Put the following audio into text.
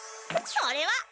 それは。